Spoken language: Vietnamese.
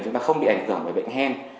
chúng ta không bị ảnh hưởng bởi bệnh hen